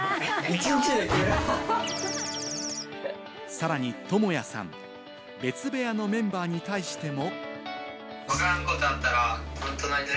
さらにトモヤさん、別部屋のメンバーに対しても。